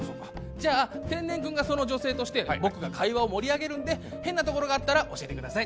じゃあ天然くんがその女性として僕が会話を盛り上げるんで変なところがあったら教えてください。